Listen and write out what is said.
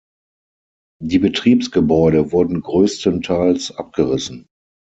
Die Betriebsgebäude wurden größtenteils abgerissen.